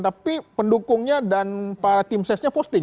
tapi pendukungnya dan para tim sesnya posting